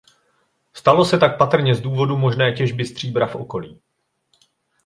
Stalo se tak patrně z důvodu možné těžby stříbra v okolí.